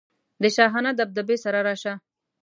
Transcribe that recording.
د شاهانه دبدبې سره راشه.